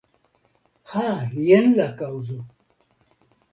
Ha, jen la kaŭzo.